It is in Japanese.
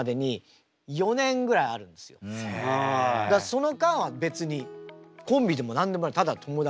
その間は別にコンビでも何でもないただの友達。